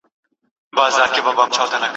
هم ساړه هم به باران وي څوک به ځای نه در کوینه